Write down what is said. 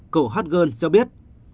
cậu hot girl cho biết